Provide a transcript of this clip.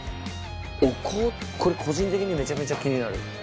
お香これ個人的にめちゃめちゃ気になる。